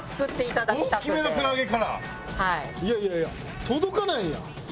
いやいやいや届かないやん！